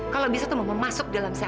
kalau bisa mama masuk dalam sehat